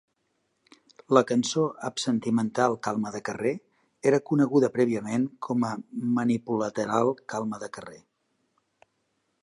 La cançó "Absentimental: calma de carrer" era coneguda prèviament com a "Manipulateral: calma de carrer".